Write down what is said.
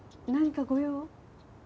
何かご用？